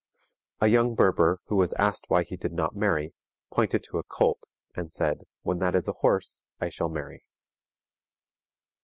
A young Berber, who was asked why he did not marry, pointed to a colt and said, "When that is a horse I shall marry."